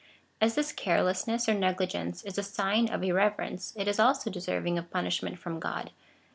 As this care lessness or negligence is a sign of irreverence, it is also de serving of punishment from God.